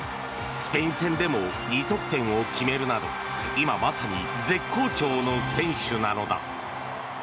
スペイン戦でも２得点を決めるなど今まさに絶好調の選手なのだ。